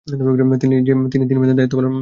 তিনি তিন মেয়াদে দায়িত্ব পালন করেছিলেন।